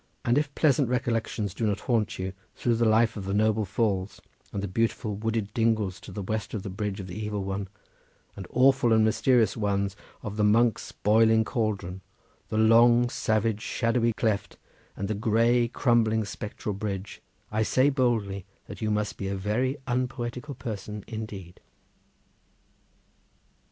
And if pleasant recollections do not haunt you through life of the noble falls and the beautiful wooded dingles to the west of the Bridge of the Evil One, and awful and mysterious ones of the monks' boiling cauldron, the long, savage, shadowy cleft, and the grey, crumbling spectral bridge, I say boldly that you must be a very unpoetical person indeed.